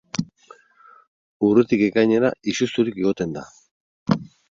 Urritik ekainera izozturik egoten da.